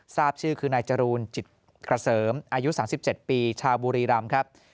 ทราบชื่อคือนายจรูนจิตกระเสริมอายุ๓๗ปีชาวบุรีรำครับ